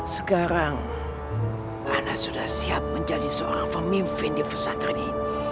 sekarang ana sudah siap menjadi seorang pemimpin di pesantren ini